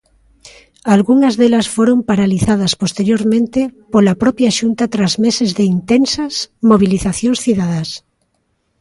Algunhas delas foron paralizadas posteriormente pola propia Xunta tras meses de intensas mobilizacións cidadás.